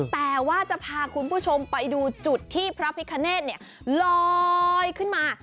แต่ว่าจะพาคุณผู้ชมไปดูจุดที่พระพิคเนธลอยขึ้นมา